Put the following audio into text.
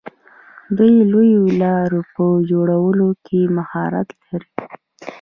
دوی د لویو لارو په جوړولو کې مهارت لري.